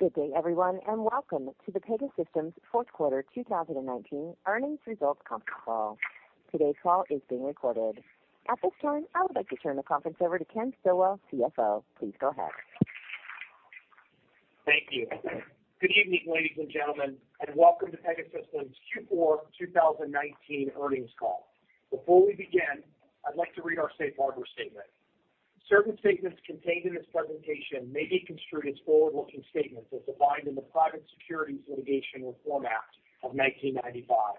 Good day, everyone, and welcome to the Pegasystems' fourth quarter 2019 earnings results conference call. Today's call is being recorded. At this time, I would like to turn the conference over to Ken Stillwell, CFO. Please go ahead. Thank you. Good evening, ladies and gentlemen, and welcome to Pegasystems' Q4 2019 earnings call. Before we begin, I'd like to read our safe harbor statement. Certain statements contained in this presentation may be construed as forward-looking statements as defined in the Private Securities Litigation Reform Act of 1995.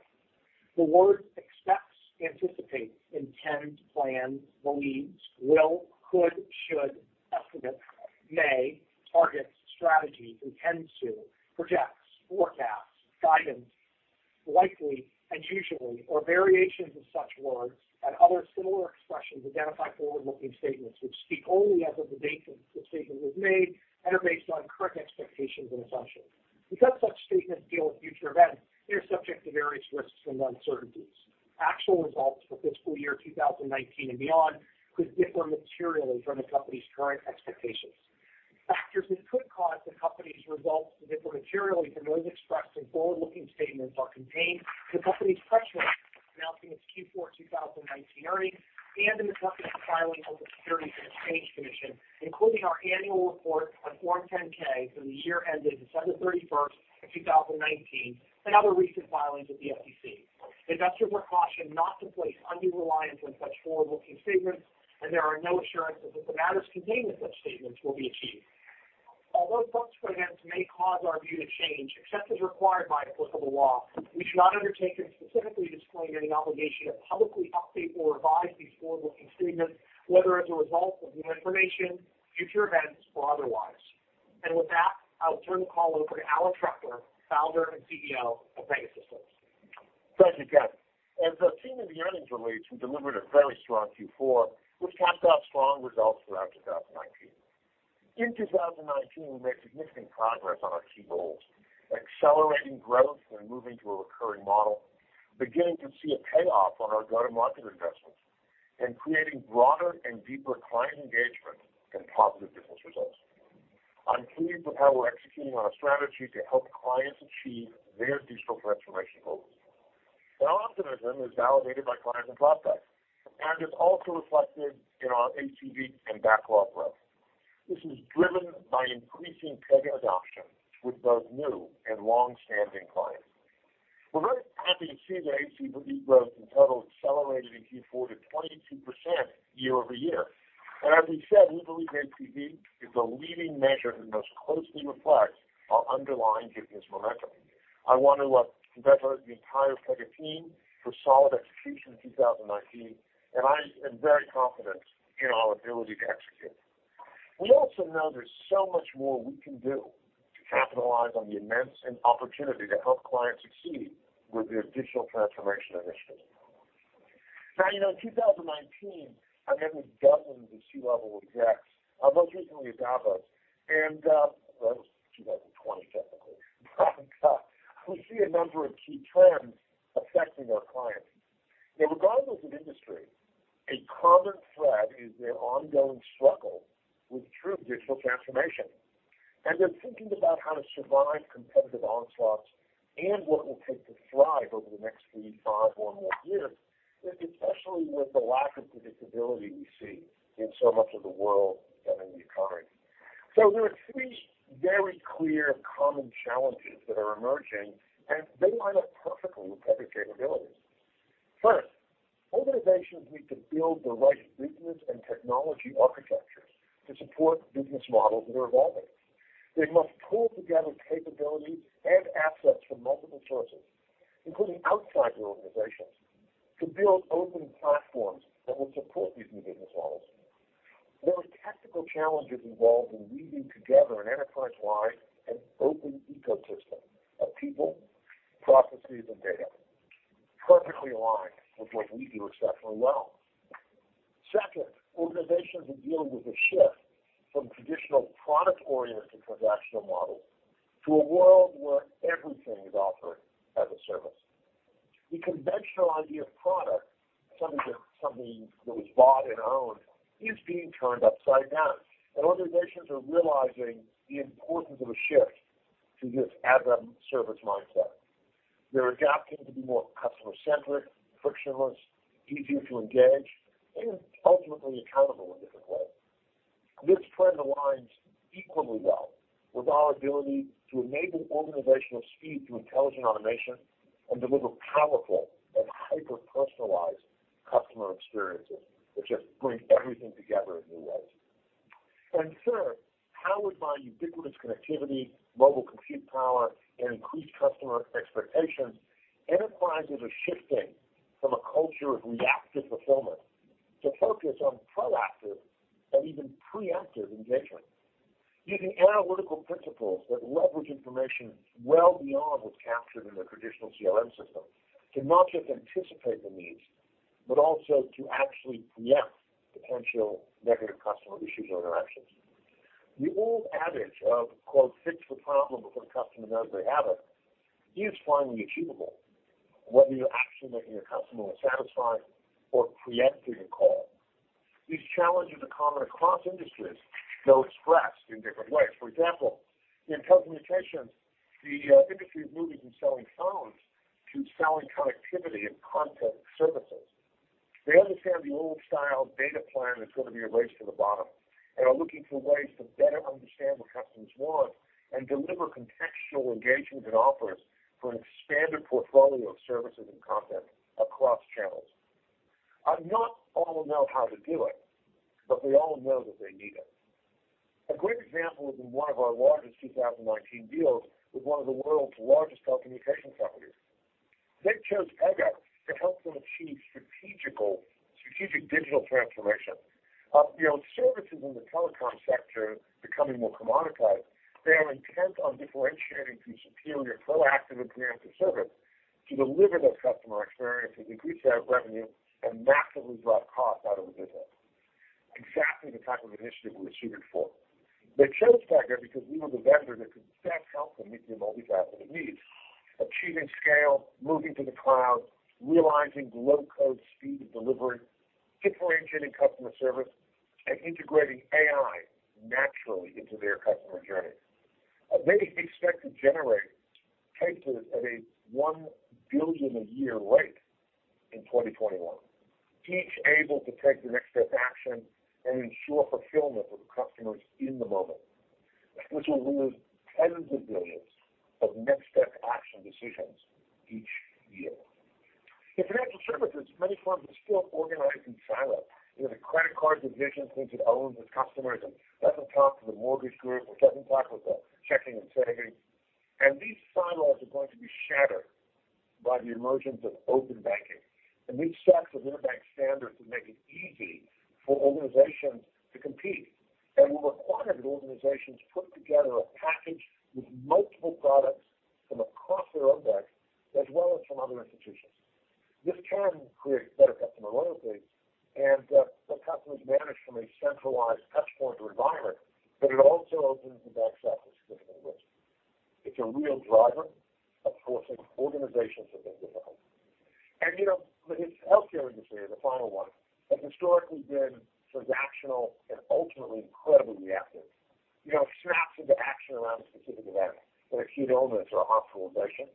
The words "expects," "anticipates," "intend," "plan," "believes," "will," "could," "should," "estimate," "may," "targets," "strategy," "intends to," "projects," "forecasts," "guidance," "likely," and "usually," or variations of such words and other similar expressions identify forward-looking statements, which speak only as of the date such statement is made and are based on current expectations and assumptions. Because such statements deal with future events, they are subject to various risks and uncertainties. Actual results for fiscal year 2019 and beyond could differ materially from the company's current expectations. Factors that could cause the company's results to differ materially from those expressed in forward-looking statements are contained in the company's press release announcing its Q4 2019 earnings and in the documents filing with the Securities and Exchange Commission, including our annual report on Form 10-K for the year ended December 31st, 2019, and other recent filings with the SEC. Investors are cautioned not to place undue reliance on such forward-looking statements, there are no assurances that the matters contained in such statements will be achieved. Although subsequent events may cause our view to change, except as required by applicable law, we should not undertake and specifically disclaim any obligation to publicly update or revise these forward-looking statements, whether as a result of new information, future events, or otherwise. With that, I'll turn the call over to Alan Trefler, Founder and CEO of Pegasystems. Thank you, Ken. As the team in the earnings release, we delivered a very strong Q4, which capped off strong results throughout 2019. In 2019, we made significant progress on our key goals, accelerating growth and moving to a recurring model, beginning to see a payoff on our go-to-market investments, and creating broader and deeper client engagement and positive business results. I'm pleased with how we're executing on our strategy to help clients achieve their digital transformation goals. That optimism is validated by clients and prospects, and it's also reflected in our ACV and backlog growth, which is driven by increasing Pega adoption with both new and long-standing clients. We're very happy to see the ACV growth in total accelerated in Q4 to 22% year-over-year. As we've said, we believe ACV is a leading measure that most closely reflects our underlying business momentum. I want to congratulate the entire Pega team for solid execution in 2019, and I am very confident in our ability to execute. We also know there's so much more we can do to capitalize on the immense opportunity to help clients succeed with their digital transformation initiatives. In 2019, I met with dozens of C-level execs, most recently at Davos, and, well, it was 2020, technically. We see a number of key trends affecting our clients. Regardless of industry, a common thread is their ongoing struggle with true digital transformation. They're thinking about how to survive competitive onslaughts and what will take to thrive over the next three, five, or more years, especially with the lack of predictability we see in so much of the world and in the economy. There are three very clear common challenges that are emerging, and they line up perfectly with Pega capabilities. First, organizations need to build the right business and technology architectures to support business models that are evolving. They must pull together capabilities and assets from multiple sources, including outside their organizations, to build open platforms that will support these new business models. There are tactical challenges involved in weaving together an enterprise-wide and open ecosystem of people, processes, and data, perfectly aligned with what we do exceptionally well. Second, organizations are dealing with a shift from traditional product-oriented transactional models to a world where everything is offered as a service. The conventional idea of product, something that was bought and owned, is being turned upside down, and organizations are realizing the importance of a shift to this as-a-service mindset. They're adapting to be more customer-centric, frictionless, easier to engage, and ultimately accountable in different ways. This trend aligns equally well with our ability to enable organizational speed through intelligent automation and deliver powerful and hyper-personalized customer experiences, which just brings everything together in new ways. Third, powered by ubiquitous connectivity, mobile compute power, and increased customer expectations, enterprises are shifting from a culture of reactive fulfillment to focus on proactive and even preemptive engagement, using analytical principles that leverage information well beyond what's captured in the traditional CRM system to not just anticipate the needs, but also to actually preempt potential negative customer issues or interactions. The old adage of, quote, "Fix the problem before the customer knows they have it," is finally achievable. Whether you're actioning your customer or satisfying or preempting a call, these challenges are common across industries, though expressed in different ways. For example, in telecommunications, the industry is moving from selling phones to selling connectivity and content services. They understand the old-style data plan is going to be a race to the bottom, and are looking for ways to better understand what customers want and deliver contextual engagements and offers for an expanded portfolio of services and content across channels. Not all know how to do it, but they all know that they need it. A great example has been one of our largest 2019 deals with one of the world's largest telecommunication companies. They chose Pega to help them achieve strategic digital transformation. Services in the telecom sector are becoming more commoditized. They are intent on differentiating through superior proactive and preemptive service to deliver those customer experiences, increase their revenue, and massively drop cost out of the business. Exactly the type of initiative we were suited for. They chose Pega because we were the vendor that could best help them meet their multifaceted needs: achieving scale, moving to the cloud, realizing low-code speed of delivery, differentiating customer service, and integrating AI naturally into their customer journey. They expect to generate cases at a 1 billion a year rate in 2021, each able to take the next-step action and ensure fulfillment for the customers in the moment. This will remove tens of billions of next-step action decisions each year. In financial services, many firms are still organized in silos. The credit card division thinks it owns its customers, and doesn't talk to the mortgage group, or doesn't talk with the checking and savings. These silos are going to be shattered by the emergence of open banking. These stacks of interbank standards will make it easy for organizations to compete, and will require that organizations put together a package with multiple products from across their own bank, as well as from other institutions. This can create better customer loyalty and help customers manage from a centralized touchpoint or environment, it also opens the bank's app to significant risk. It's a real driver of forcing organizations to make the call. The healthcare industry, the final one, has historically been transactional and ultimately incredibly reactive. Snaps into action around a specific event, an acute illness or a hospital admission.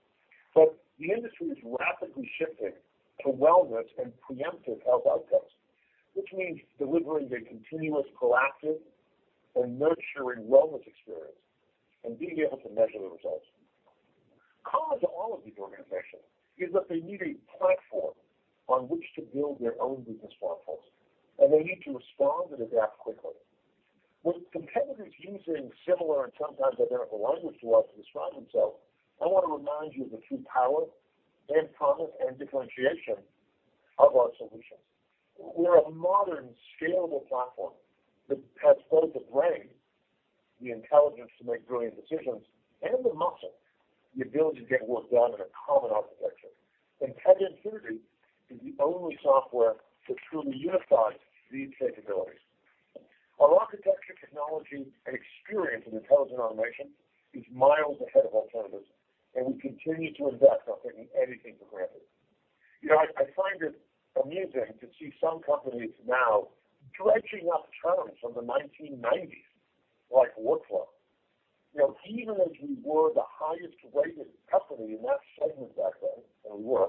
The industry is rapidly shifting to wellness and preemptive health outcomes, which means delivering a continuous proactive and nurturing wellness experience and being able to measure the results. Common to all of these organizations is that they need a platform on which to build their own business platforms, and they need to respond and adapt quickly. With competitors using similar and sometimes identical language to us to describe themselves, I want to remind you of the true power and promise and differentiation of our solutions. We're a modern, scalable platform that has both the brain, the intelligence to make brilliant decisions, and the muscle, the ability to get work done in a common architecture. Pega Infinity is the only software that truly unifies these capabilities. Our architecture, technology, and experience in intelligent automation is miles ahead of alternatives, and we continue to invest, not taking anything for granted. I find it amusing to see some companies now dredging up terms from the 1990s, like workflow. Even as we were the highest-rated company in that segment back then, or were,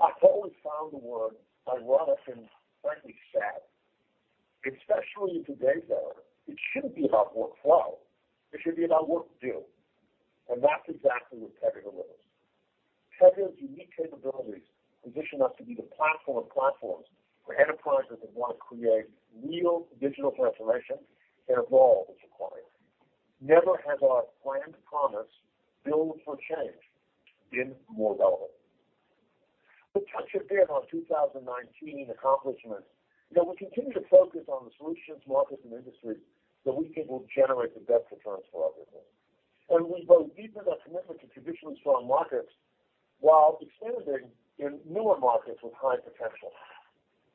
I always found the word ironic and frankly sad. Especially today, though, it shouldn't be about workflow, it should be about work due. That's exactly what Pega delivers. Pega's unique capabilities position us to be the platform of platforms for enterprises that want to create real digital transformation and evolve as required. Never has our brand promise, "Build for change," been more relevant. To touch a bit on 2019 accomplishments, we continue to focus on the solutions, markets, and industries that we think will generate the best returns for our people. We both deepen our commitment to traditionally strong markets while expanding in newer markets with high potential.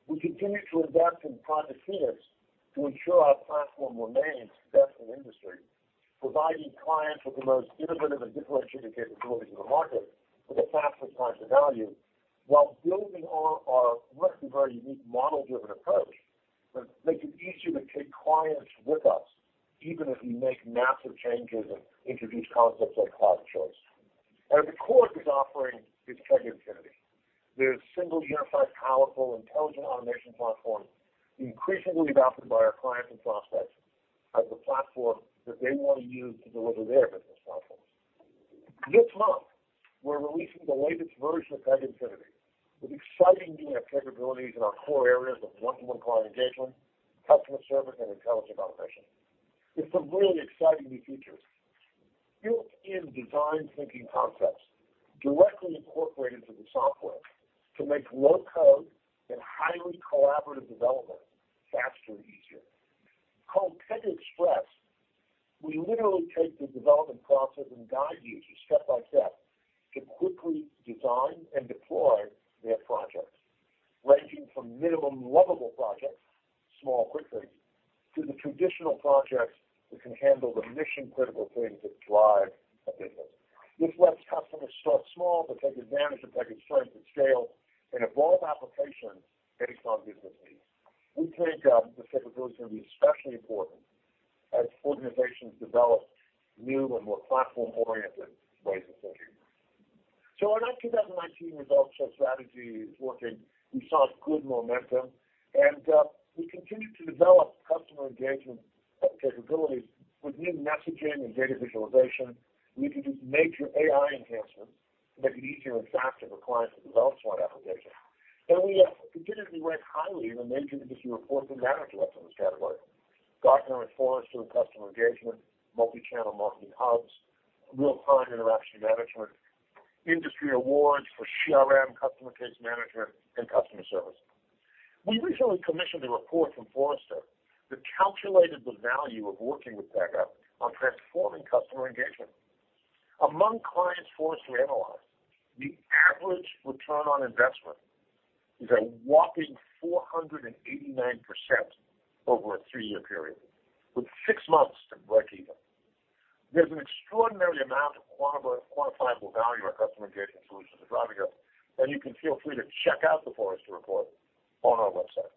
We continue to invest in product features to ensure our platform remains best in industry, providing clients with the most innovative and differentiating capabilities in the market with the fastest time to value, while building on our relatively very unique model-driven approach that makes it easier to take clients with us, even as we make massive changes and introduce concepts like cloud of choice. At the core of this offering is Pega Infinity, this single, unified, powerful, intelligent automation platform, increasingly adopted by our clients and prospects as the platform that they want to use to deliver their business platforms. This month, we're releasing the latest version of Pega Infinity with exciting new capabilities in our core areas of one-to-one client engagement, customer service, and intelligent automation, with some really exciting new features. Built-in design thinking concepts directly incorporated into the software to make low-code and highly collaborative development faster and easier. Called Pega Express, we literally take the development process and guide users step by step to quickly design and deploy their projects. Ranging from minimum lovable projects, small quick things, to the traditional projects that can handle the mission-critical things that drive a business. This lets customers start small but take advantage of Pega's strength and scale and evolve applications based on business needs. We think this capability is going to be especially important as organizations develop new and more platform-oriented ways of thinking. In 2019, results show strategy is working. We saw good momentum, and we continued to develop customer engagement capabilities with new messaging and data visualization. We did major AI enhancements to make it easier and faster for clients to develop smart applications. We continually rank highly in the major industry reports and analytics in this category. Gartner and Forrester customer engagement, multi-channel marketing hubs, real-time interaction management, industry awards for CRM, customer case management, and customer service. We recently commissioned a report from Forrester that calculated the value of working with Pega on transforming customer engagement. Among clients Forrester analyzed, the average return on investment is a whopping 489% over a three-year period, with six months to break even. There's an extraordinary amount of quantifiable value our customer engagement solutions are driving here, and you can feel free to check out the Forrester report on our website.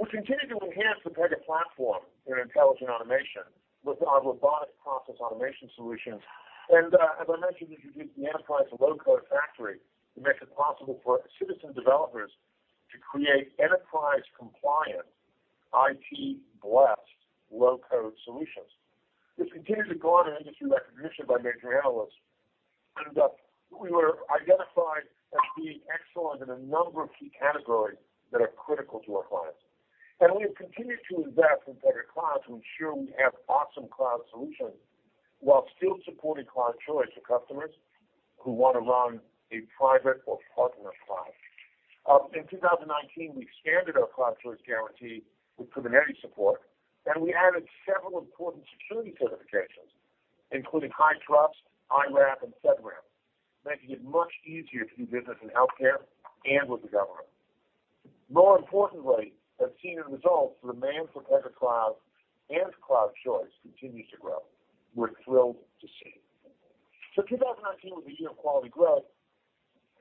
We continue to enhance the Pega Platform in intelligent automation with our robotic process automation solutions. As I mentioned, we introduced the Enterprise Low-Code Factory, which makes it possible for citizen developers to create enterprise-compliant, IT-blessed low-code solutions. This continues to garner industry recognition by major analysts. We were identified as being excellent in a number of key categories that are critical to our clients. We have continued to invest in Pega Cloud to ensure we have awesome cloud solutions while still supporting cloud choice for customers who want to run a private or partner cloud. In 2019, we expanded our cloud choice guarantee with Kubernetes support, and we added several important security certifications, including HITRUST, IRAP, and FedRAMP, making it much easier to do business in healthcare and with the government. More importantly, as seen in results, demand for Pega Cloud and cloud choice continues to grow. We're thrilled to see. 2019 was a year of quality growth,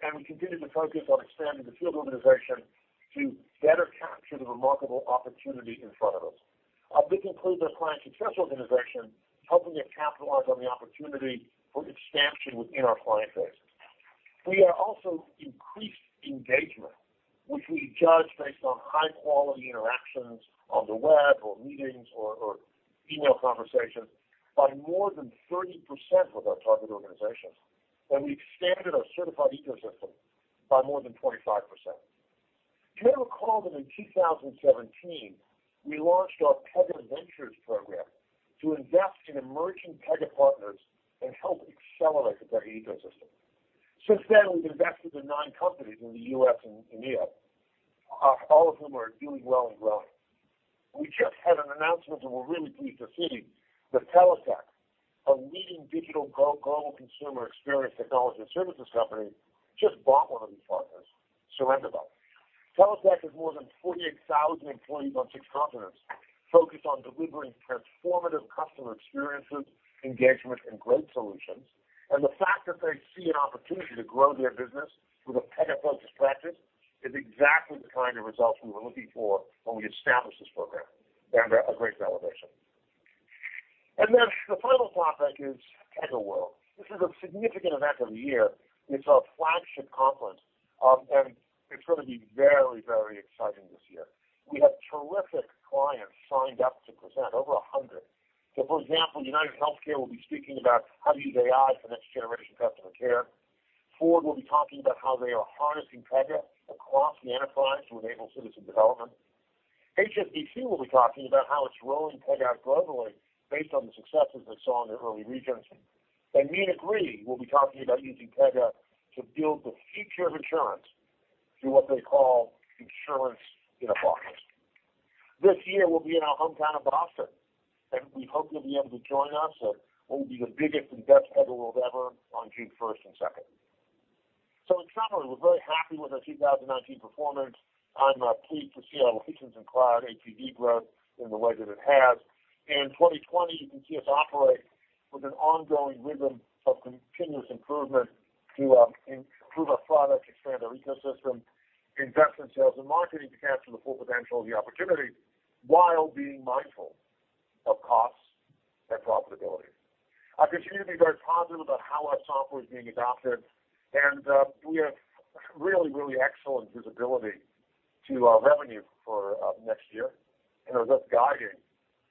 and we continued to focus on expanding the field organization to better capture the remarkable opportunity in front of us. This includes our client success organization, helping to capitalize on the opportunity for expansion within our client base. We have also increased engagement, which we judge based on high-quality interactions on the web or meetings or email conversations by more than 30% with our target organizations, and we expanded our certified ecosystem by more than 25%. You may recall that in 2017, we launched our Pega Ventures program to invest in emerging Pega partners and help accelerate the Pega ecosystem. Since then, we've invested in nine companies in the U.S. and EMEA, all of whom are doing well and growing. We just had an announcement that we're really pleased to see that TeleTech, a leading digital global consumer experience technology and services company, just bought one of these partners, Serendebyte. TeleTech has more than 48,000 employees on six continents focused on delivering transformative customer experiences, engagement, and great solutions. The fact that they see an opportunity to grow their business through the Pega focused practice is exactly the kind of results we were looking for when we established this program, and a great validation. The final topic is PegaWorld. This is a significant event of the year. It's our flagship conference, and it's going to be very, very exciting this year. We have terrific clients signed up to present, over 100. For example, UnitedHealthcare will be speaking about how to use AI for next-generation customer care. Ford will be talking about how they are harnessing Pega across the enterprise to enable citizen development. HSBC will be talking about how it's rolling Pega out globally based on the successes they saw in their early regions. Meetup Group will be talking about using Pega to build the future of insurance through what they call insurance in a box. This year, we'll be in our hometown of Boston, and we hope you'll be able to join us at what will be the biggest and best PegaWorld ever on June 1st and 2nd. In summary, we're very happy with our 2019 performance. I'm pleased to see our license and cloud ACV growth in the way that it has. In 2020, you can see us operate with an ongoing rhythm of continuous improvement to improve our products, expand our ecosystem, invest in sales and marketing to capture the full potential of the opportunity while being mindful of costs and profitability. I continue to be very positive about how our software is being adopted, and we have really excellent visibility to our revenue for next year, and are thus guiding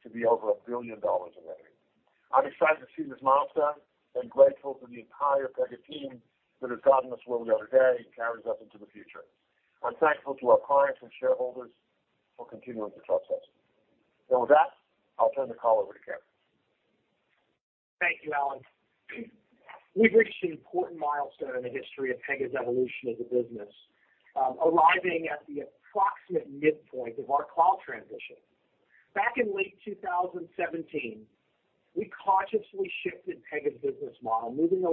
to be over $1 billion in revenue. I'm excited to see this milestone and grateful to the entire Pega team that has gotten us where we are today and carries us into the future. I'm thankful to our clients and shareholders for continuing to trust us. With that, I'll turn the call over to Ken. Thank you, Alan. We've reached an important milestone in the history of Pega's evolution as a business, arriving at the approximate midpoint of our cloud transition. Back in late 2017, we consciously shifted Pega's business model, moving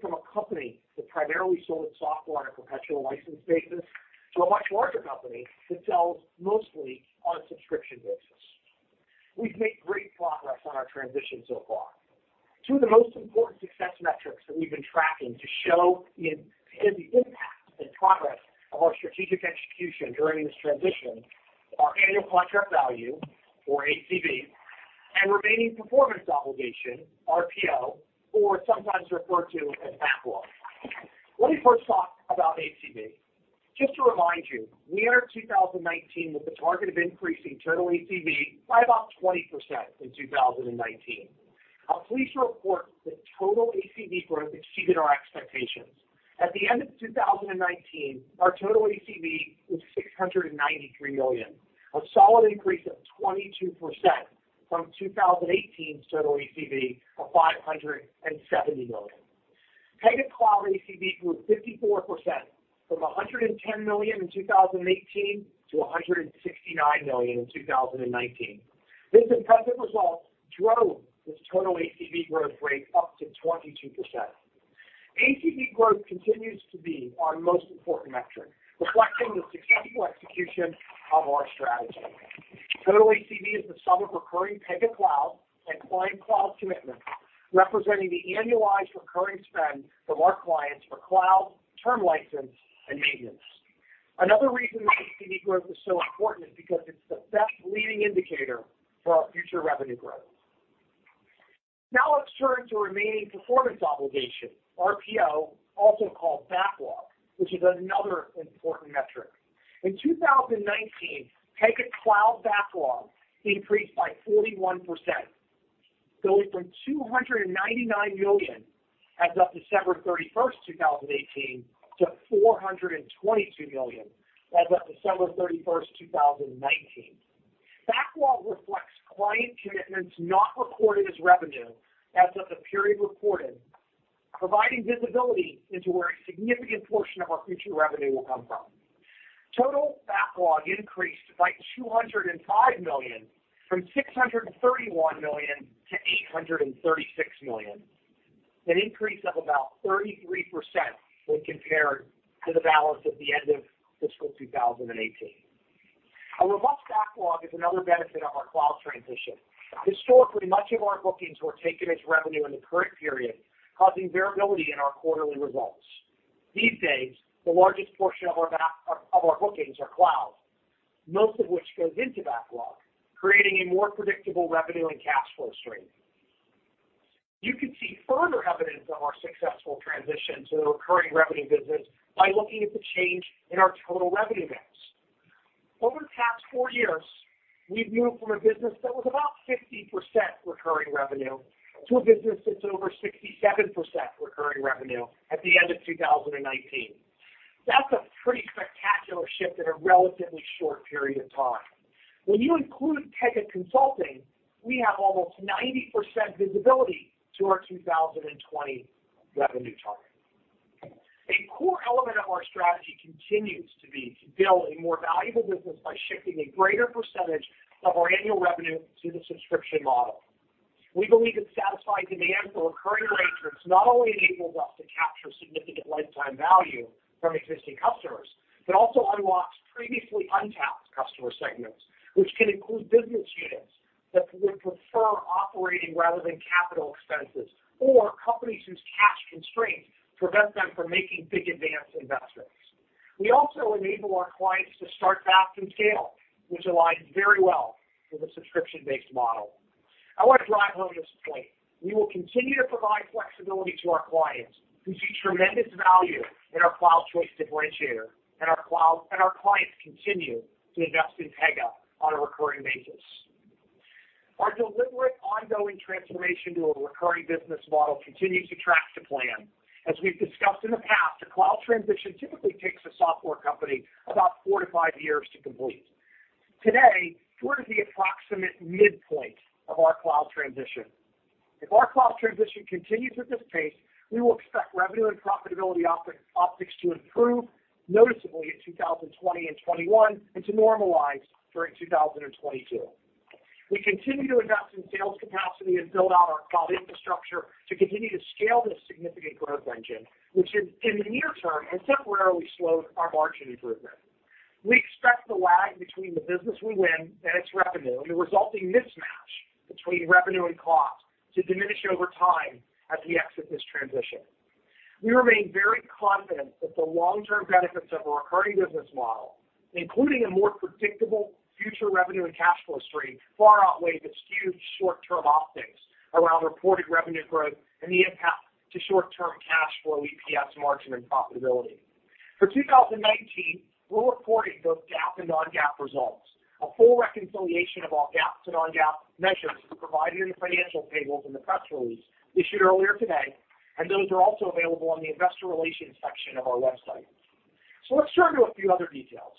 from a company that primarily sold software on a perpetual license basis, to a much larger company that sells mostly on a subscription basis. We've made great progress on our transition so far. Two of the most important success metrics that we've been tracking to show the impact and progress of our strategic execution during this transition are annual contract value, or ACV, and remaining performance obligation, RPO, or sometimes referred to as backlog. Let me first talk about ACV. Just to remind you, we entered 2019 with a target of increasing total ACV by about 20% in 2019. I'm pleased to report that total ACV growth exceeded our expectations. At the end of 2019, our total ACV was $693 million, a solid increase of 22% from 2018's total ACV of $570 million. Pega Cloud ACV grew 54%, from $110 million in 2018 to $169 million in 2019. This impressive result drove this total ACV growth rate up to 22%. ACV growth continues to be our most important metric, reflecting the successful execution of our strategy. Total ACV is the sum of recurring Pega Cloud and client cloud commitments, representing the annualized recurring spend from our clients for cloud, term license, and maintenance. Another reason ACV growth is so important is because it's the best leading indicator for our future revenue growth. Now, let's turn to remaining performance obligation, RPO, also called backlog, which is another important metric. In 2019, Pega Cloud backlog increased by 41%, going from $299 million, as of December 31st, 2018, to $422 million, as of December 31st, 2019. Backlog reflects client commitments not recorded as revenue as of the period reported, providing visibility into where a significant portion of our future revenue will come from. Total backlog increased by $205 million, from $631 million to $836 million, an increase of about 33% when compared to the balance at the end of fiscal 2018. A robust backlog is another benefit of our cloud transition. Historically, much of our bookings were taken as revenue in the current period, causing variability in our quarterly results. These days, the largest portion of our bookings are cloud, most of which goes into backlog, creating a more predictable revenue and cash flow stream. You can see further evidence of our successful transition to a recurring revenue business by looking at the change in our total revenue mix. Over the past four years, we've moved from a business that was about 50% recurring revenue to a business that's over 67% recurring revenue at the end of 2019. That's a pretty spectacular shift in a relatively short period of time. When you include Pega Consulting, we have almost 90% visibility to our 2020 revenue target. A core element of our strategy continues to be to build a more valuable business by shifting a greater percentage of our annual revenue to the subscription model. We believe that satisfying demand for recurring arrangements not only enables us to capture significant lifetime value from existing customers, but also unlocks previously untapped customer segments, which can include business units that would prefer operating rather than capital expenses, or companies whose cash constraints prevent them from making big advance investments. We also enable our clients to start fast and scale, which aligns very well with a subscription-based model. I want to drive home this point. We will continue to provide flexibility to our clients, who see tremendous value in our cloud choice differentiator, and our clients continue to invest in Pega on a recurring basis. Our deliberate, ongoing transformation to a recurring business model continues to track to plan. As we've discussed in the past, a cloud transition typically takes a software company about four to five years to complete. Today, we're at the approximate midpoint of our cloud transition. If our cloud transition continues at this pace, we will expect revenue and profitability optics to improve noticeably in 2020 and 2021, and to normalize during 2022. We continue to invest in sales capacity and build out our cloud infrastructure to continue to scale this significant growth engine, which in the near term, has temporarily slowed our margin improvement. We expect the lag between the business we win and its revenue, and the resulting mismatch between revenue and cost, to diminish over time as we exit this transition. We remain very confident that the long-term benefits of a recurring business model, including a more predictable future revenue and cash flow stream, far outweigh the skewed short-term optics around reported revenue growth and the impact to short-term cash flow, EPS, margin, and profitability. For 2019, we're reporting both GAAP and non-GAAP results. A full reconciliation of all GAAP to non-GAAP measures is provided in the financial tables in the press release issued earlier today. Those are also available on the investor relations section of our website. Let's turn to a few other details.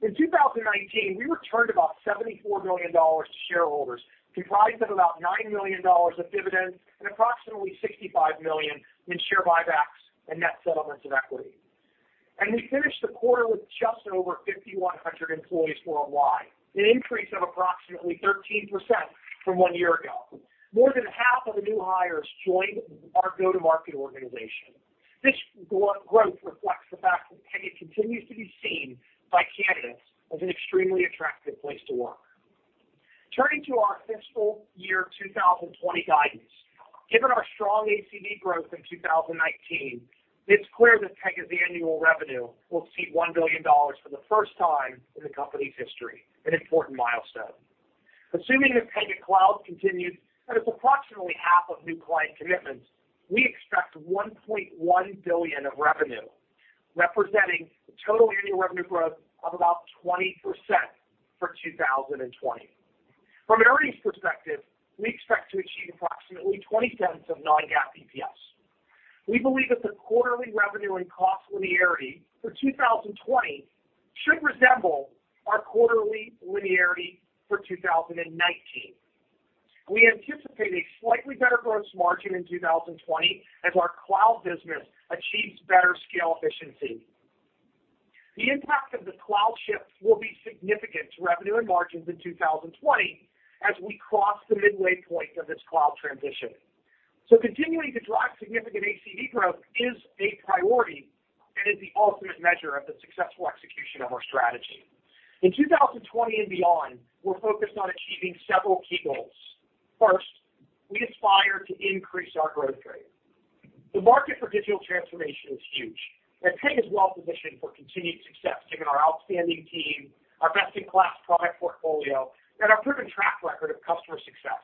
In 2019, we returned about $74 million to shareholders, comprised of about $9 million of dividends and approximately $65 million in share buybacks and net settlements of equity. We finished the quarter with just over 5,100 employees worldwide, an increase of approximately 13% from one year ago. More than half of the new hires joined our go-to-market organization. This growth reflects the fact that Pega continues to be seen by candidates as an extremely attractive place to work. Turning to our fiscal year 2020 guidance. Given our strong ACV growth in 2019, it's clear that Pega's annual revenue will exceed $1 billion for the first time in the company's history, an important milestone. Assuming that Pega Cloud continues at approximately half of new client commitments, we expect $1.1 billion of revenue, representing total annual revenue growth of about 20% for 2020. From an earnings perspective, we expect to achieve approximately $0.20 of non-GAAP EPS. We believe that the quarterly revenue and cost linearity for 2020 should resemble our quarterly linearity for 2019. We anticipate a slightly better gross margin in 2020 as our cloud business achieves better scale efficiency. The impact of the cloud shift will be significant to revenue and margins in 2020 as we cross the midway point of this cloud transition. Continuing to drive significant ACV growth is a priority and is the ultimate measure of the successful execution of our strategy. In 2020 and beyond, we're focused on achieving several key goals. First, we aspire to increase our growth rate. The market for digital transformation is huge, and Pega is well-positioned for continued success given our outstanding team, our best-in-class product portfolio, and our proven track record of customer success.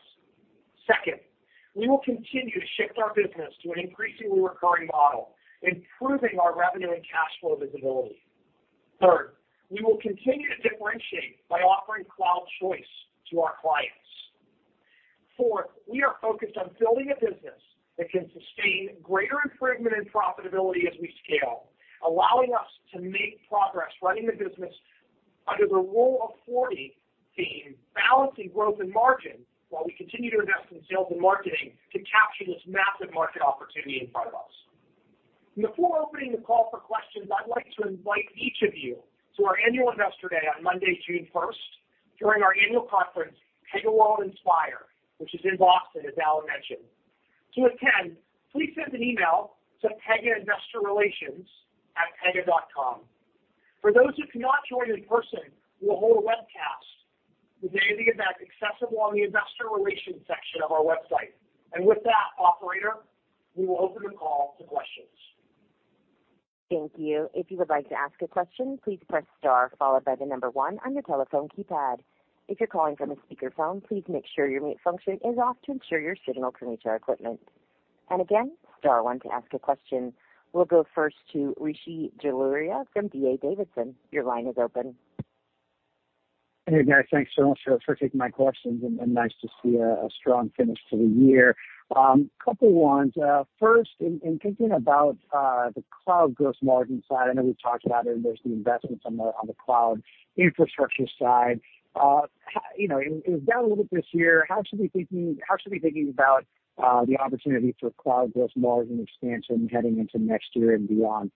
Second, we will continue to shift our business to an increasingly recurring model, improving our revenue and cash flow visibility. Third, we will continue to differentiate by offering cloud choice to our clients. Fourth, we are focused on building a business that can sustain greater improvement in profitability as we scale, allowing us to make progress running the business under the rule of 40 theme, balancing growth and margin while we continue to invest in sales and marketing to capture this massive market opportunity in front of us. Before opening the call for questions, I'd like to invite each of you to our annual investor day on Monday, June 1st, during our annual conference, PegaWorld iNspire, which is in Boston, as Alan mentioned. To attend, please send an email to pegainvestorrelations@pega.com. For those who cannot join in person, we'll hold a webcast the day of the event, accessible on the investor relations section of our website. With that, operator, we will open the call to questions. Thank you. If you would like to ask a question, please press star followed by the number one on your telephone keypad. If you're calling from a speakerphone, please make sure your mute function is off to ensure your signal can reach our equipment. Again, star one to ask a question. We'll go first to Rishi Jaluria from D.A. Davidson. Your line is open. Hey, guys, thanks so much for taking my questions and nice to see a strong finish to the year. Couple ones. First, in thinking about the cloud gross margin side, I know we've talked about it, and there's the investments on the cloud infrastructure side. It was down a little bit this year. How should we be thinking about the opportunity for cloud gross margin expansion heading into next year and beyond?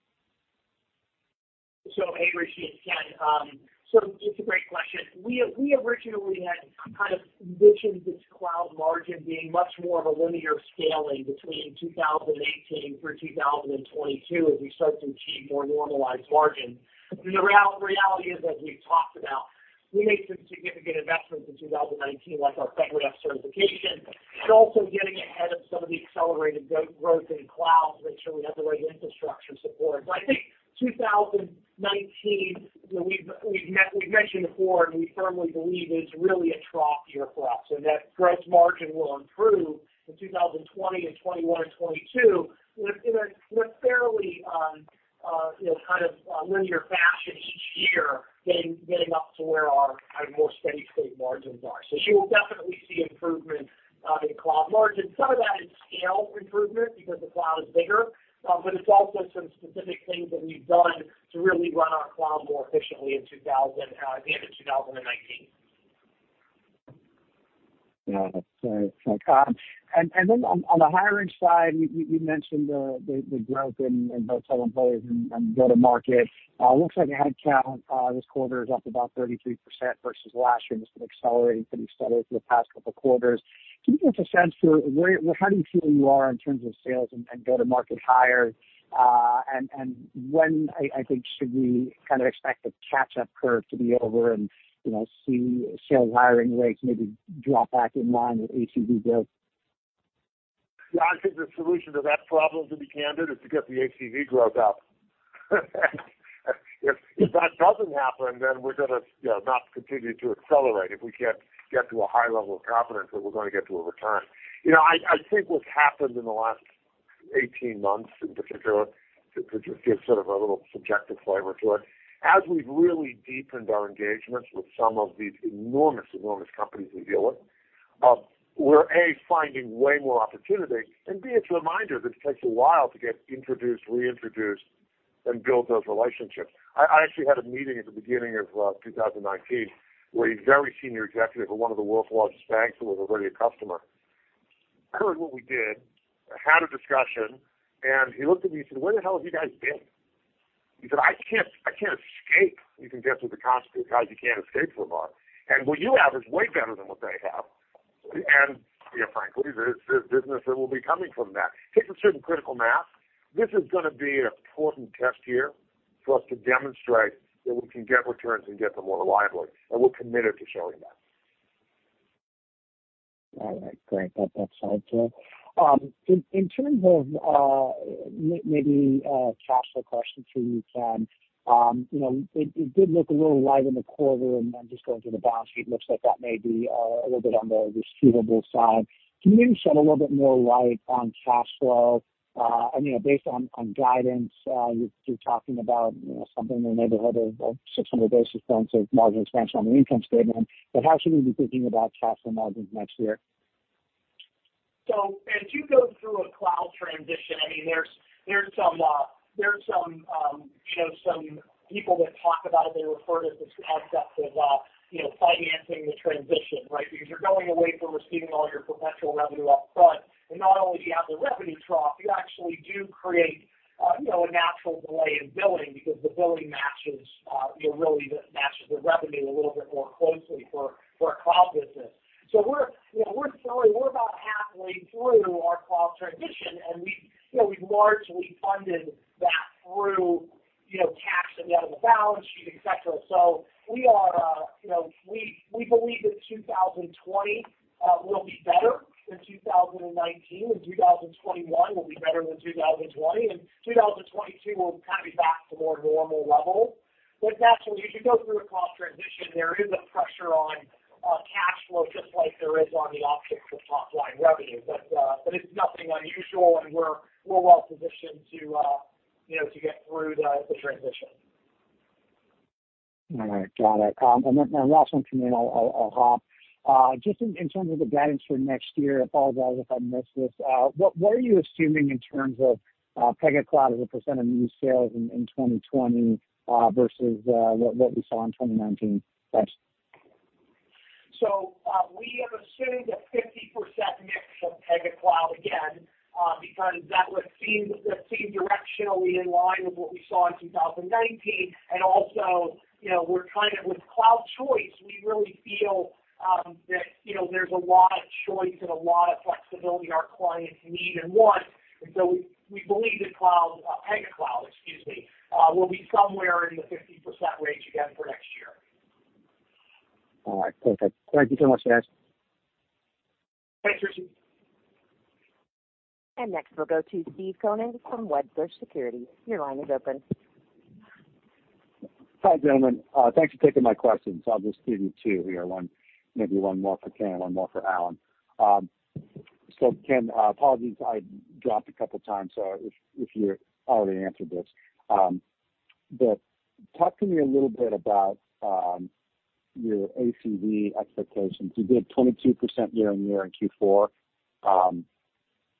Hey, Rishi, again. It's a great question. We originally had kind of envisioned this cloud margin being much more of a linear scaling between 2018 through 2022, as we start to achieve more normalized margin. The reality is, as we've talked about, we made some significant investments in 2019, like our FedRAMP certification, but also getting ahead of some of the accelerated growth in cloud to make sure we have the right infrastructure support. I think 2019, we've mentioned before, and we firmly believe is really a trough year for us, and that gross margin will improve in 2020 and 2021 and 2022 in a fairly kind of linear fashion each year, getting up to where our kind of more steady state margins are. You will definitely see improvement in cloud margin. Some of that is scale improvement because the cloud is bigger. It's also some specific things that we've done to really run our cloud more efficiently at the end of 2019. Yeah. That's very helpful. On the hiring side, you mentioned the growth in both total employees and go-to-market. Looks like headcount this quarter is up about 33% versus last year and has been accelerating pretty steadily for the past couple of quarters. Can you give us a sense for how do you feel you are in terms of sales and go-to-market hires? When, I think, should we kind of expect the catch-up curve to be over and see sales hiring rates maybe drop back in line with ACV growth? Yeah, I think the solution to that problem, to be candid, is to get the ACV growth up. If that doesn't happen, then we're going to not continue to accelerate if we can't get to a high level of confidence that we're going to get to a return. I think what's happened in the last 18 months in particular, to give sort of a little subjective flavor to it, as we've really deepened our engagements with some of these enormous companies we deal with, we're, A, finding way more opportunity, and B, it's a reminder that it takes a while to get introduced, reintroduced, and build those relationships. I actually had a meeting at the beginning of 2019 where a very senior executive of one of the world's largest banks, who was already a customer. He heard what we did, had a discussion, and he looked at me, he said, "Where the hell have you guys been?" He said, "I can't escape you can get through the constant because you can't escape from us. What you have is way better than what they have." Frankly, there's business that will be coming from that. Hit a certain critical mass. This is going to be an important test year for us to demonstrate that we can get returns and get them more reliably, and we're committed to showing that. All right, great. That's helpful. In terms of maybe a cash flow question for you, Ken. It did look a little light in the quarter, and then just going through the balance sheet, looks like that may be a little bit on the receivable side. Can you maybe shed a little bit more light on cash flow? Based on guidance, you're talking about something in the neighborhood of 600 basis points of margin expansion on the income statement, but how should we be thinking about cash flow margins next year? As you go through a cloud transition, there's some people that talk about it, they refer to this concept of financing the transition, right? You're going away from receiving all your perpetual revenue up front. Not only do you have the revenue trough, you actually do create a natural delay in billing because the billing really matches the revenue a little bit more closely for a cloud business. We're about halfway through our cloud transition, and we've largely funded that through cash and out of the balance sheet, et cetera. We believe that 2020 will be better than 2019, and 2021 will be better than 2020, and 2022 will be back to more normal levels. Naturally, as you go through a cloud transition, there is a pressure on cash flow, just like there is on the optics of top-line revenue. It's nothing unusual, and we're well-positioned to get through the transition. All right. Got it. Last one from me, and I'll hop. Just in terms of the guidance for next year, apologize if I missed this, what are you assuming in terms of Pega Cloud as a % of new sales in 2020 versus what we saw in 2019? Thanks. We have assumed a 50% mix of Pega Cloud again, because that would seem directionally in line with what we saw in 2019. With Cloud Choice, we really feel that there's a lot of choice and a lot of flexibility our clients need and want. We believe that Cloud, Pega Cloud, excuse me, will be somewhere in the 50% range again for next year. All right. Perfect. Thank you so much, guys. Thanks, Rishi. Next we'll go to Steve Koenig from Wedbush Securities. Your line is open. Hi, gentlemen. Thanks for taking my questions. I'll just give you two here, maybe one more for Ken, one more for Alan. Ken, apologies, I dropped a couple times, if you already answered this. Talk to me a little bit about your ACV expectations. You did 22% year-on-year in Q4.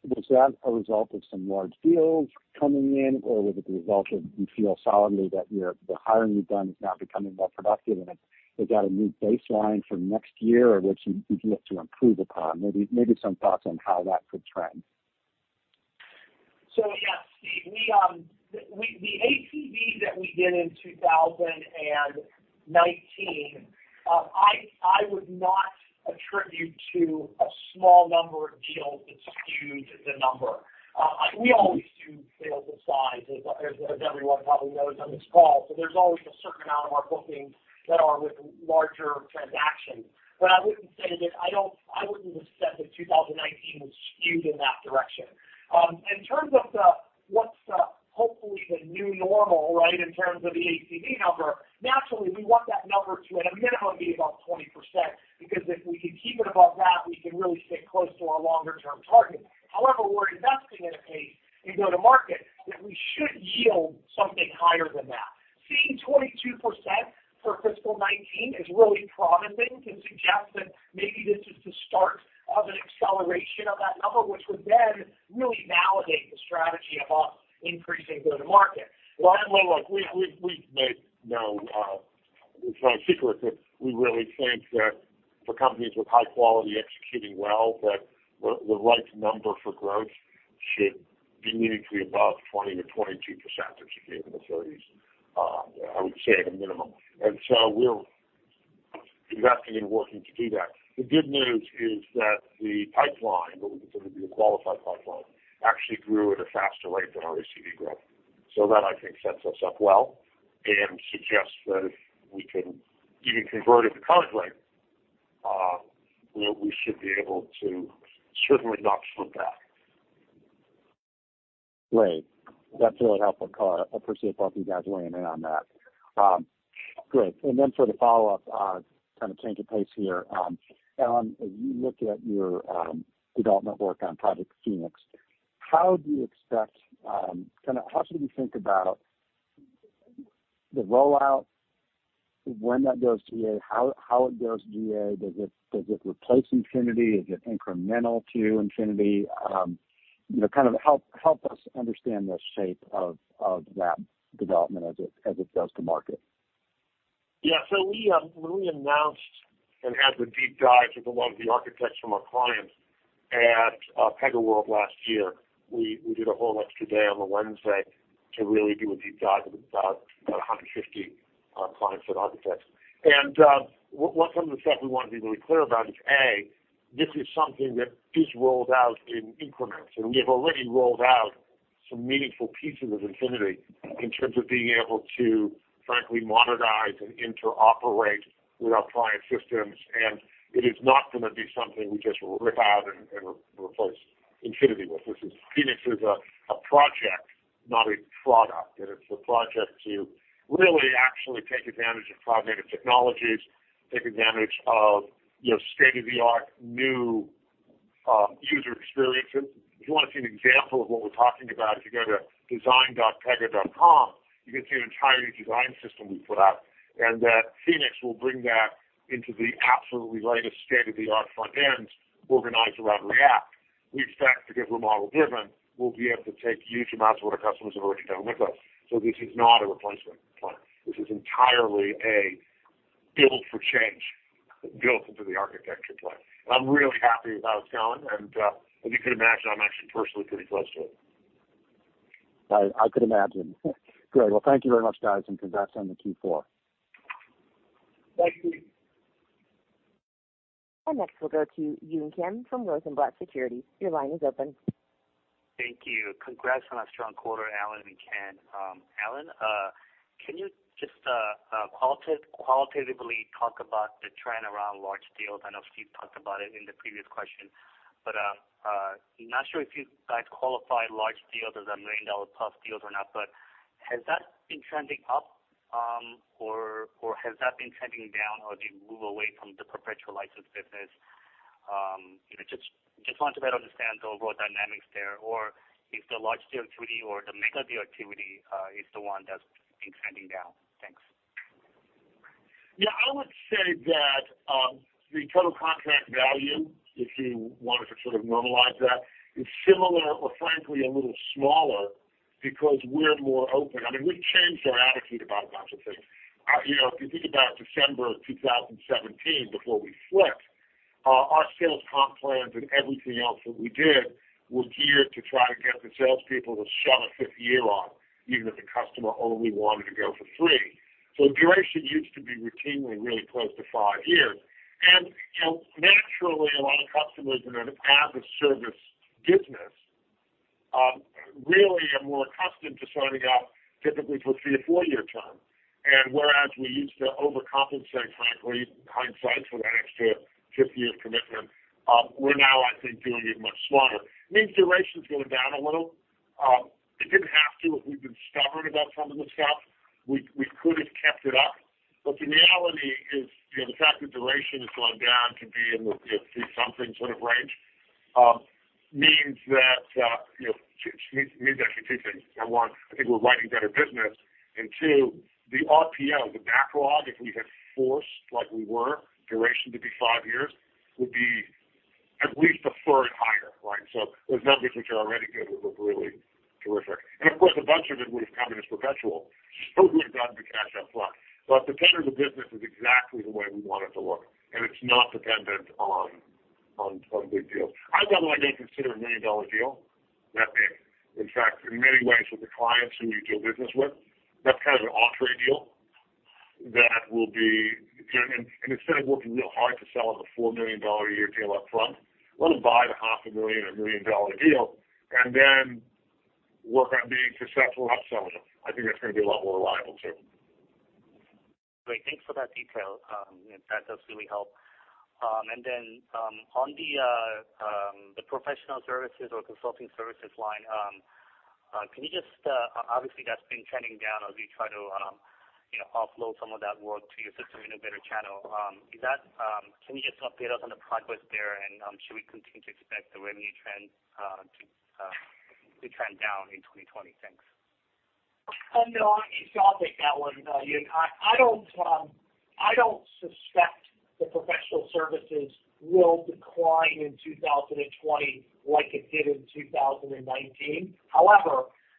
Was that a result of some large deals coming in, or was it the result of you feel solidly that the hiring you've done is now becoming more productive, and we've got a new baseline for next year, or do you have to improve upon? Maybe some thoughts on how that could trend. Yeah, Steve, the ACV that we did in 2019, I would not attribute to a small number of deals that skewed the number. We always do sales of size, as everyone probably knows on this call. There's always a certain amount of our bookings that are with larger transactions. I wouldn't have said that 2019 was skewed in that direction. In terms of what's hopefully the new normal, in terms of the ACV number, naturally, we want that number to, at a minimum, be above 20%, because if we can keep it above that, we can really stay close to our longer-term target. However, we're investing at a go-to-market that we should yield something higher than that. Seeing 22% for fiscal 2019 is really promising, can suggest that maybe this is the start of an acceleration of that number, which would then really validate the strategy of us increasing go-to-market. Well, we make no secret that we really think that for companies with high quality executing well, that the right number for growth should be meaningfully above 20% to 22% or 30s, I would say at a minimum. We're investing in working to do that. The good news is that the pipeline, what we consider to be a qualified pipeline, actually grew at a faster rate than our ACV growth. That, I think, sets us up well and suggests that if we can even convert at the current rate, we should be able to certainly not slip back. Great. That's really helpful. I appreciate both you guys weighing in on that. Great. Then for the follow-up, kind of change of pace here. Alan, as you look at your development work on Project FNX how should we think about the rollout, when that goes GA, how it goes GA? Does it replace Infinity? Is it incremental to Infinity? Kind of help us understand the shape of that development as it goes to market. Yeah. When we announced and had the deep dive with a lot of the architects from our clients at PegaWorld last year, we did a whole extra day on the Wednesday to really do a deep dive with about 150 clients and architects. One of the stuff we want to be really clear about is, A, this is something that is rolled out in increments, and we have already rolled out some meaningful pieces of Infinity in terms of being able to, frankly, modernize and interoperate with our client systems. It is not going to be something we just rip out and replace Infinity with. Project FNX is a project, not a product. It's a project to really actually take advantage of cognitive technologies, take advantage of state-of-the-art new user experiences. If you want to see an example of what we're talking about, if you go to design.pega.com, you can see an entirely new design system we put up, and that Project FNX will bring that into the absolutely latest state-of-the-art front end organized around React, which in fact, because we're model driven, we'll be able to take huge amounts of what our customers have already done with us. This is not a replacement plan. This is entirely a build for change, built into the architecture plan. I'm really happy with how it's going. As you can imagine, I'm actually personally pretty close to it. I could imagine. Great. Well, thank you very much, guys, and congrats on the Q4. Thank you. Next we'll go to Yun Kim from Rosenblatt Securities. Your line is open. Thank you. Congrats on a strong quarter, Alan and Ken. Alan, can you just qualitatively talk about the trend around large deals? I know Steve talked about it in the previous question, but I'm not sure if you guys qualify large deals as $1 million-plus deals or not, but has that been trending up or has that been trending down as you move away from the perpetual license business? Just want to better understand the overall dynamics there. Or if the large deal activity or the mega deal activity is the one that's been trending down. Thanks. I would say that the total contract value, if you wanted to sort of normalize that, is similar or frankly a little smaller because we're more open. We changed our attitude about a bunch of things. If you think about December of 2017 before we flipped, our sales comp plans and everything else that we did was geared to try to get the salespeople to shove a fifth year on, even if the customer only wanted to go for three. Duration used to be routinely really close to five years. Naturally, a lot of customers in an as-a-service business really are more accustomed to signing up typically for a three or four-year term. Whereas we used to overcompensate, frankly, in hindsight for that extra fifth year's commitment, we're now, I think, doing it much smarter. It means duration's going down a little. It didn't have to if we'd been stubborn about some of the stuff. We could have kept it up. The reality is the fact that duration has gone down to be in the two-something sort of range means actually two things. Number one, I think we're writing better business. Two, the RPO, the backlog, if we had forced like we were duration to be five years, would be at least a third higher, right? Those numbers which are already good would look really terrific. Of course, a bunch of it would have come in as perpetual, so it would have gotten the cash up front. The tenor of the business is exactly the way we want it to look, and it's not dependent on big deals. By the way, I don't consider a million-dollar deal that big. In fact, in many ways with the clients who we do business with, that's kind of an off-trade deal that will be. Instead of working real hard to sell them a $4 million a year deal up front, let them buy the half a million or million dollar deal and then work on being successful upselling them. I think that's going to be a lot more reliable too. Great. Thanks for that detail. That does really help. Then, on the professional services or consulting services line, obviously that's been trending down as you try to offload some of that work to your system integrator channel. Can you just update us on the progress there? Should we continue to expect the revenue trend to trend down in 2020? Thanks. No, I'll take that one, Yun. I don't suspect the professional services will decline in 2020 like it did in 2019.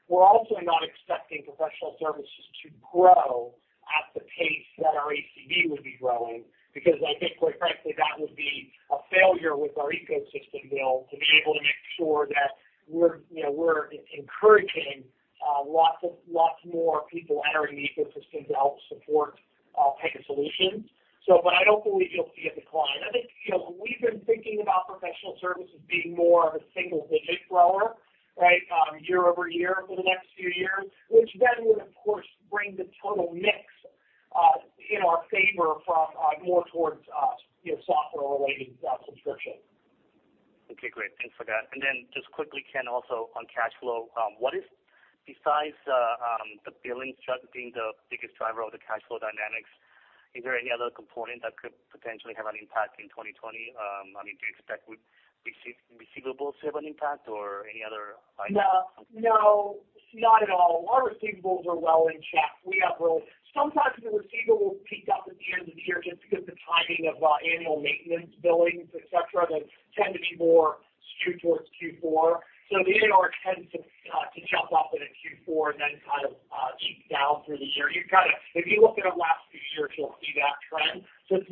We're also not expecting professional services to grow at the pace that our ACV would be growing because I think quite frankly, that would be a failure with our ecosystem build to be able to make sure that we're encouraging lots more people entering the ecosystem to help support Pega solutions. I don't believe you'll see a decline. I think we've been thinking about professional services being more of a single digit grower year-over-year for the next few years, which then would of course bring the total mix in our favor from more towards software-related subscription. Okay, great. Thanks for that. Just quickly, Ken, also on cash flow. Besides the billing chart being the biggest driver of the cash flow dynamics, is there any other component that could potentially have an impact in 2020? Do you expect receivables to have an impact or any other item? No, not at all. Our receivables are well in check. Sometimes the receivables peak up in terms of year, just because the timing of annual maintenance billings, et cetera, they tend to be more skewed towards Q4. The ARR tends to jump up in a Q4 and then kind of cheap down through the year. If you look at our last few years, you'll see that trend. There's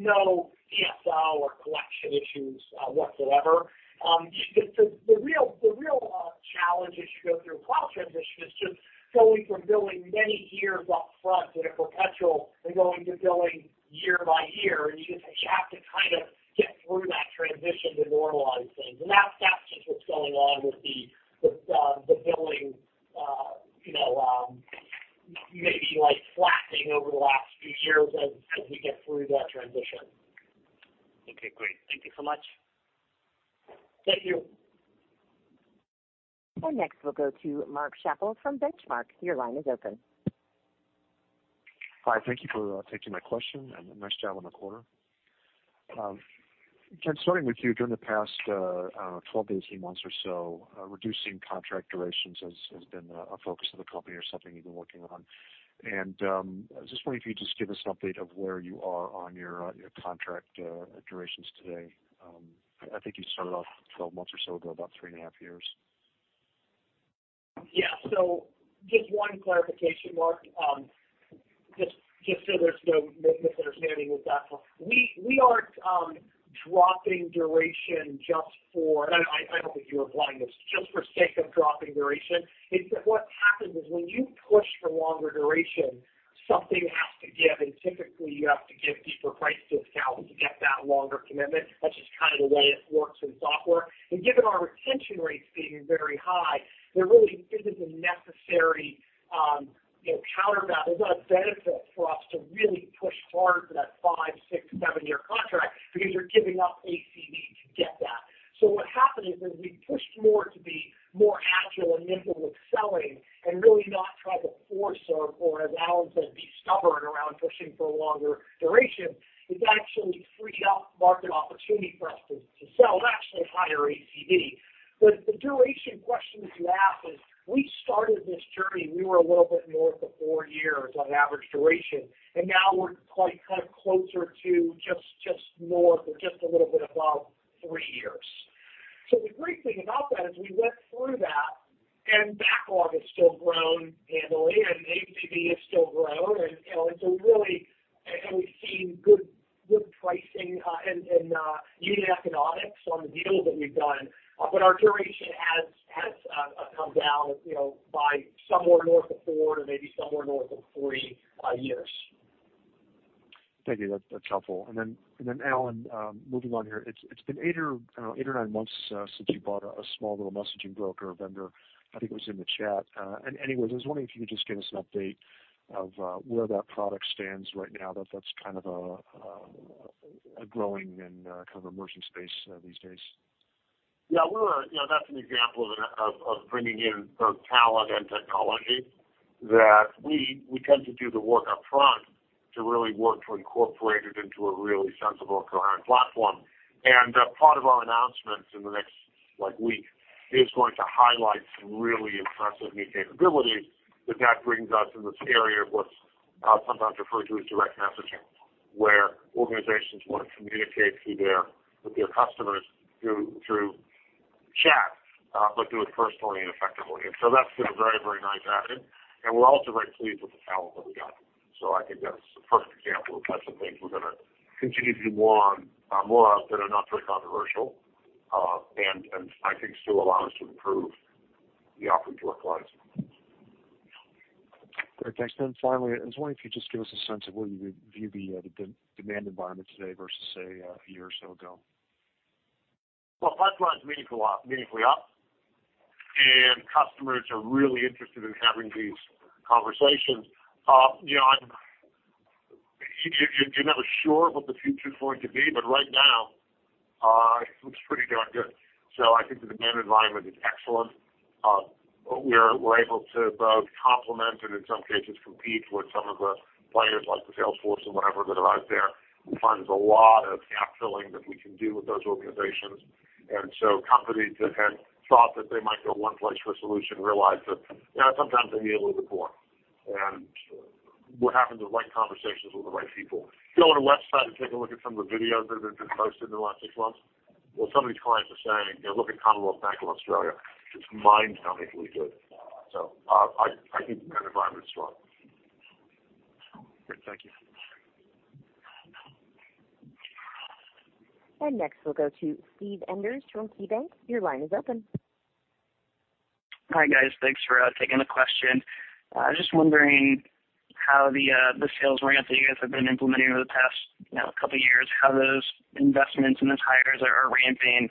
no DSO or collection issues whatsoever. The real challenge as you go through a cloud transition is just going from billing many years up front in a perpetual and going to billing year by year, and you have to kind of get through that transition to normalize things. That's just what's going on with the billing, maybe like flapping over the last few years as we get through that transition. Okay, great. Thank you so much. Thank you. Next, we'll go to Mark Schappel from Benchmark. Your line is open. Hi. Thank you for taking my question, and nice job on the quarter. Ken, starting with you, during the past 12, 18 months or so, reducing contract durations has been a focus of the company or something you've been working on. I was just wondering if you could just give us an update of where you are on your contract durations today. I think you started off 12 months or so ago, about three and a half years. Just one clarification, Mark, just so there's no misunderstanding with that. We aren't dropping duration, and I don't think you were implying this, just for sake of dropping duration. It's that what happens is when you push for longer duration, something has to give, and typically, you have to give deeper price discount to get that longer commitment. That's just kind of the way it works in software. Given our retention rates being very high, there really isn't a necessary counter that. There's not a benefit for us to really push hard for that five, six, seven-year contract because you're giving up ACV to get that. What happened is, when we pushed more to be more agile and nimble with selling and really not try to force or, as Alan said, be stubborn around pushing for longer duration, it's actually freed up market opportunity for us to sell, and actually higher ACV. The duration question that you asked is, we started this journey, we were a little bit north of four years on average duration, and now we're probably kind of closer to just a little bit above three years. The great thing about that is we went through that and backlog has still grown handily, and ACV has still grown, and we've seen good pricing and unit economics on the deals that we've done. Our duration has come down by somewhere north of four to maybe somewhere north of three years. Thank you. That's helpful. Alan, moving on here, it's been 8 or 9 months since you bought a small little messaging broker vendor. I think it was in the chat. Anyway, I was wondering if you could just give us an update of where that product stands right now, that's kind of a growing and kind of emerging space these days. Yeah, that's an example of bringing in both talent and technology that we tend to do the work upfront to really work to incorporate it into a really sensible and coherent platform. Part of our announcements in the next week is going to highlight some really impressive new capabilities that brings us in this area of what's sometimes referred to as direct messaging, where organizations want to communicate with their customers through chat, but do it personally and effectively. That's been a very nice add-in. We're also very pleased with the talent that we got. I think that's a perfect example of types of things we're going to continue to do more of that are not very controversial, and I think still allow us to improve the offering to our clients. Great. Thanks. Finally, I was wondering if you could just give us a sense of where you view the demand environment today versus, say, a year or so ago. Pipeline's meaningfully up, and customers are really interested in having these conversations. You're never sure what the future's going to be, but right now it looks pretty darn good. I think the demand environment is excellent. We're able to both complement and, in some cases, compete with some of the players like the Salesforce and whatever that are out there. We find there's a lot of gap filling that we can do with those organizations. Companies that had thought that they might go one place for a solution realize that sometimes they need a little bit more. We're having the right conversations with the right people. Go on our website and take a look at some of the videos that have been posted in the last six months. Some of these clients are saying. Look at Commonwealth Bank of Australia. It's mind-numbingly good. I think the demand environment is strong. Great. Thank you. Next, we'll go to Steve Enders from KeyBanc. Your line is open. Hi, guys. Thanks for taking the question. Just wondering how the sales ramp that you guys have been implementing over the past couple of years, how those investments and those hires are ramping,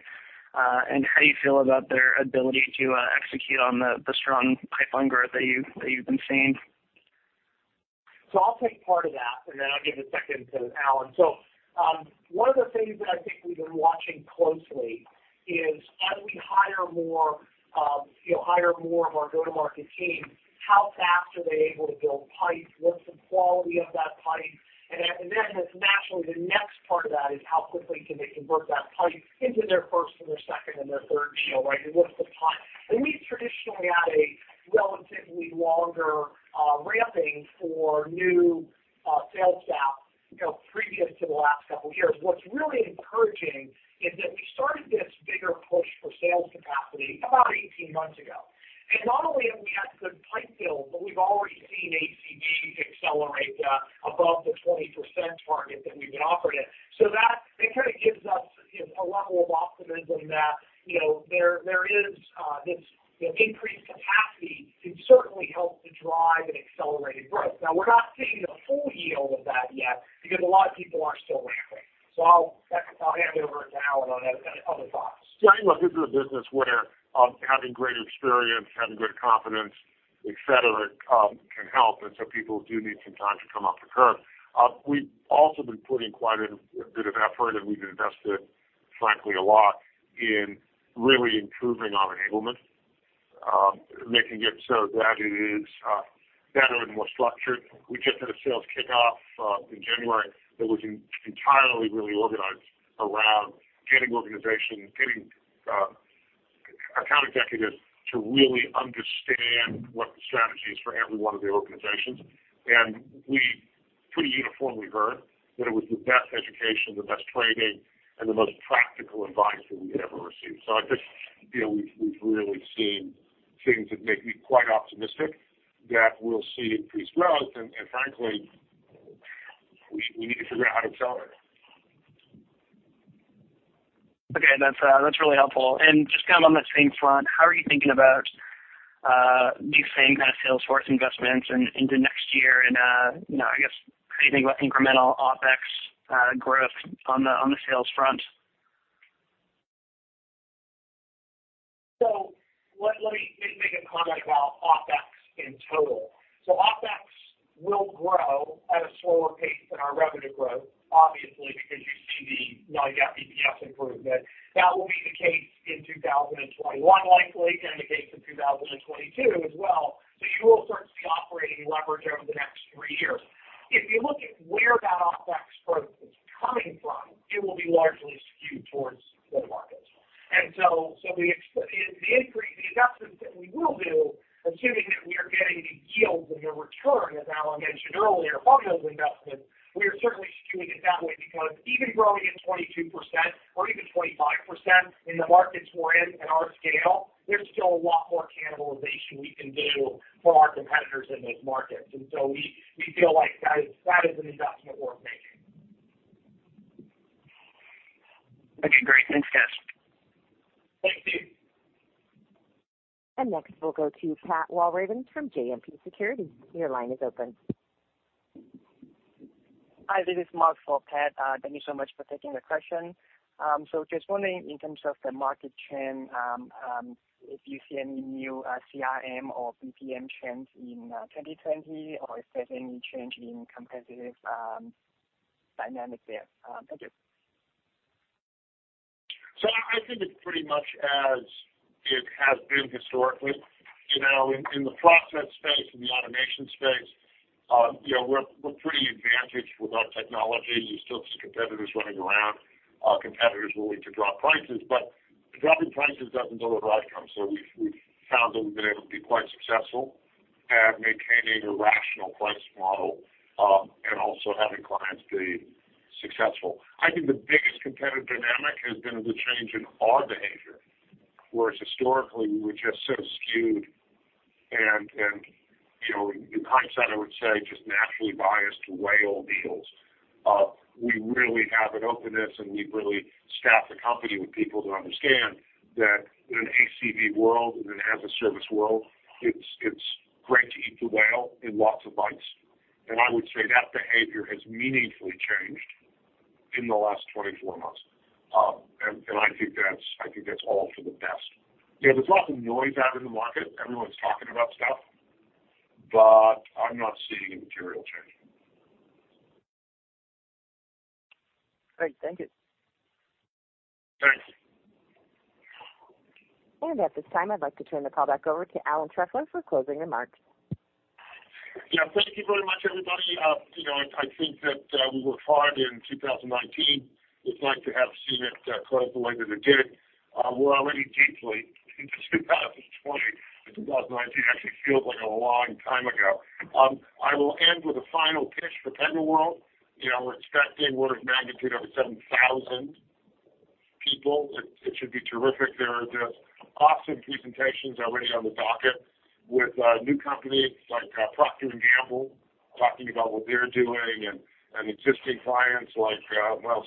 and how you feel about their ability to execute on the strong pipeline growth that you've been seeing. I'll take part of that, and then I'll give the second to Alan. One of the things that I think we've been watching closely is as we hire more of our go-to-market team, how fast are they able to build pipe? What's the quality of that pipe? Then, naturally, the next part of that is how quickly can they convert that pipe into their first and their second and their third deal, right? What's the time? We traditionally had a relatively longer ramping for new sales staff. Previous to the last couple of years, what's really encouraging is that we started this bigger push for sales capacity about 18 months ago. Not only have we had good pipe deals, but we've already seen ACVs accelerate above the 20% target that we've been operating. That gives us a level of optimism that there is this increased capacity to certainly help to drive and accelerate growth. Now, we're not seeing the full yield of that yet because a lot of people are still ramping. I'll hand it over to Alan on that other thoughts. Yeah, look, this is a business where having great experience, having great confidence, et cetera, can help. People do need some time to come up to curve. We've also been putting quite a bit of effort. We've invested, frankly, a lot in really improving our enablement, making it so that it is better and more structured. We just had a sales kickoff in January that was entirely really organized around getting organization, getting account executives to really understand what the strategy is for every one of the organizations. We pretty uniformly heard that it was the best education, the best training, and the most practical advice that we've ever received. We've really seen things that make me quite optimistic that we'll see increased growth. Frankly, we need to figure out how to accelerate. Okay. That's really helpful. Just on that same front, how are you thinking about these same kind of sales force investments into next year and, I guess how you think about incremental OpEx growth on the sales front? Let me make a comment about OpEx in total. OpEx will grow at a slower pace than our revenue growth, obviously, because now you got EPS improvement. That will be the case in 2021, likely, and the case in 2022 as well. You will start to see operating leverage over the next three years. If you look at where that OpEx growth is coming from, it will be largely skewed towards the markets. The increase, the investments that we will do, assuming that we are getting the yield and the return, as Alan mentioned earlier, on those investments, we are certainly skewing it that way because even growing at 22% or even 25% in the markets we're in and our scale, there's still a lot more cannibalization we can do for our competitors in those markets. We feel like that is an investment worth making. Okay, great. Thanks, guys. Thank you. Next, we'll go to Pat Walravens from JMP Securities. Your line is open. Hi, this is Mark for Pat. Thank you so much for taking the question. Just wondering in terms of the market trend, if you see any new CRM or BPM trends in 2020, or if there's any change in competitive dynamics there? Thank you. I think it's pretty much as it has been historically. In the process space, in the automation space, we're pretty advantaged with our technology. There's still some competitors running around, competitors willing to drop prices. Dropping prices doesn't deliver outcomes. We've found that we've been able to be quite successful at maintaining a rational price model, and also having clients be successful. I think the biggest competitive dynamic has been the change in our behavior, whereas historically, we were just so skewed and in hindsight, I would say, just naturally biased to whale deals. We really have an openness, and we've really staffed the company with people who understand that in an ACV world and an as-a-service world, it's great to eat the whale in lots of bites. I would say that behavior has meaningfully changed in the last 24 months. I think that's all for the best. There's lots of noise out in the market. Everyone's talking about stuff, but I'm not seeing a material change. Great. Thank you. Thanks. At this time, I'd like to turn the call back over to Alan Trefler for closing remarks. Yeah. Thank you very much, everybody. I think that we worked hard in 2019. We'd like to have seen it close the way that it did. We're already deeply into 2020, and 2019 actually feels like a long time ago. I will end with a final pitch for PegaWorld. We're expecting orders of magnitude over 7,000 people. It should be terrific. There are just awesome presentations already on the docket with new companies like Procter & Gamble talking about what they're doing and existing clients like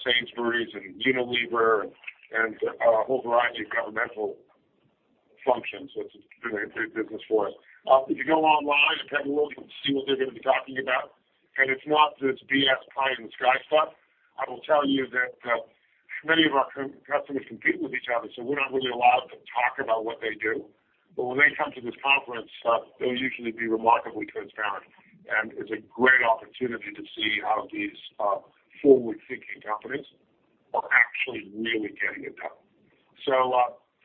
Sainsbury's and Unilever and a whole variety of governmental functions, which is a big business for us. If you go online at PegaWorld, you can see what they're going to be talking about. It's not this BS pie in the sky stuff. I will tell you that many of our customers compete with each other, so we're not really allowed to talk about what they do. When they come to this conference, they'll usually be remarkably transparent, and it's a great opportunity to see how these forward-thinking companies are actually really getting it done.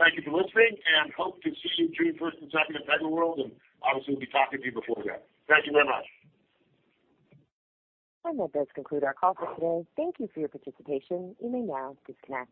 Thank you for listening and hope to see you June 1st and second at PegaWorld, and obviously, we'll be talking to you before that. Thank you very much. That does conclude our call for today. Thank you for your participation. You may now disconnect.